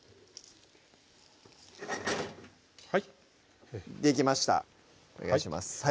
はいできましたお願いします